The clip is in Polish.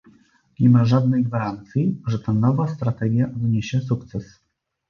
Nie ma żadnej gwarancji, że ta nowa strategia odniesie sukces